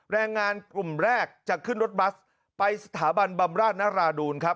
แรงงานกลุ่มแรกจะขึ้นรถบัสไปสถาบันบำราชนราดูนครับ